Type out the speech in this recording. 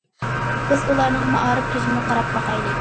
بىز ئۇلارنىڭ مائارىپ تۈزۈمىگە قاراپ باقايلى.